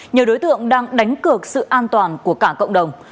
nhiều đối tượng đang đánh cược sự an toàn của cả cộng đồng